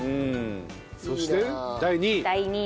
そして第２位。